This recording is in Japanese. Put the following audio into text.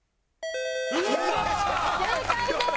正解です！